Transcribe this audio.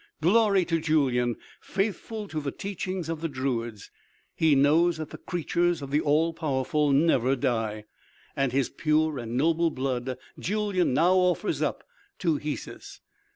Glory to Julyan, faithful to the teachings of the druids. He knows that the creatures of the All Powerful never die, and his pure and noble blood Julyan now offers up to Hesus.